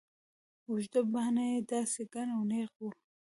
اوږده باڼه يې داسې گڼ او نېغ وو.